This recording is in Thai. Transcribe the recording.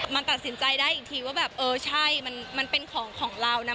มันตัดสินใจได้อีกทีว่าแบบเออใช่มันเป็นของของเรานะ